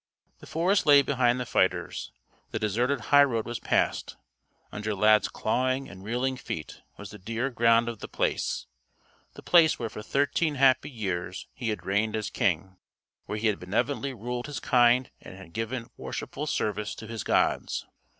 The forest lay behind the fighters. The deserted highroad was passed. Under Lad's clawing and reeling feet was the dear ground of The Place The Place where for thirteen happy years he had reigned as king, where he had benevolently ruled his kind and had given worshipful service to his gods.